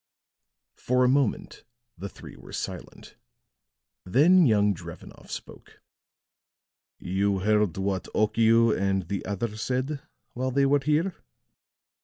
For a moment the three were silent; then young Drevenoff spoke. "You heard what Okiu and the other said while they were here?"